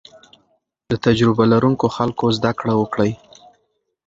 له تجربه لرونکو خلکو زده کړه وکړئ.